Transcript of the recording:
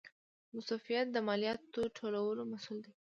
مستوفیت د مالیاتو ټولولو مسوول دی